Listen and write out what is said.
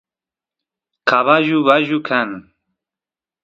caballu bayu kan